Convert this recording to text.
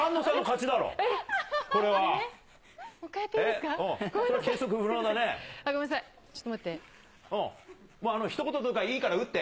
ちょっと待って。